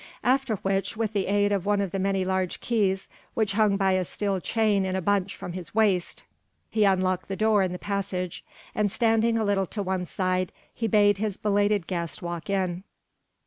After which with the aid of one of the many large keys which hung by a steel chain in a bunch from his waist, he unlocked the door in the passage and standing a little to one side he bade his belated guest walk in.